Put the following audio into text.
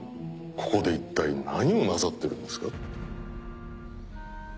ここでいったい何をなさってるんですか？